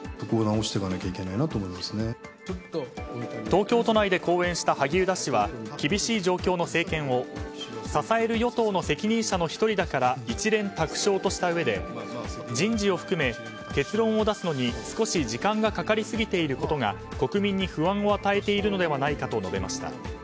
東京都内で講演した萩生田氏は厳しい状況の政権を支える与党の責任者の１人だから一蓮托生としたうえで人事を含め結論を出すのに、少し時間がかかりすぎていることが国民に不安を与えているのではないかと述べました。